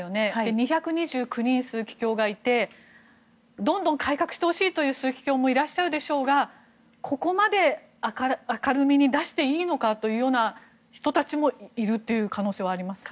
２２９人の枢機卿がいてどんどん改革してほしい枢機卿もいらっしゃるでしょうがここまで明るみに出していいのかというような人たちもいるという可能性はありますか？